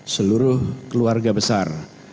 seluruh keluarga besar